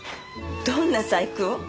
どんな細工を？